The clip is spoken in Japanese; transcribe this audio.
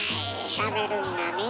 食べるんだねえ。